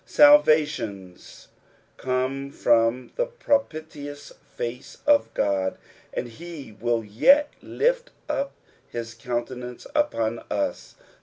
Salvations come from the propitious face of God, and he will yet lift up his countenance upon us.